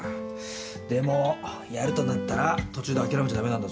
でもやるとなったら途中であきらめちゃ駄目なんだぞ。